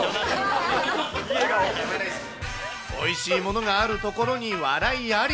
おいしいものがある所に笑いあり。